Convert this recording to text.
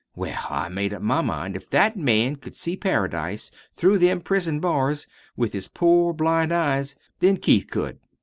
Well, I made up my mind if that man could see Paradise through them prison bars with his poor blind eyes, then Keith could.